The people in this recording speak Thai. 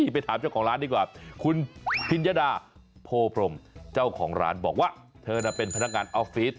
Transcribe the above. ไปถามเจ้าของร้านดีกว่าคุณพิญญดาโพพรมเจ้าของร้านบอกว่าเธอน่ะเป็นพนักงานออฟฟิศ